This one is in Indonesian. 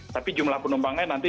tapi jumlah penumpangnya lebih tinggi